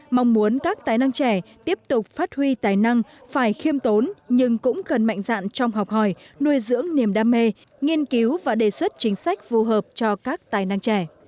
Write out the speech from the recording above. mong muốn các tài năng trẻ tiếp tục phát huy tài năng phải khiêm tốn nhưng cũng cần mạnh dạn trong học hỏi nuôi dưỡng niềm đam mê nghiên cứu và đề xuất chính sách phù hợp cho các tài năng trẻ